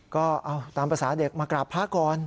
ก็เอาตามภาษาเด็กมากราบพระก่อน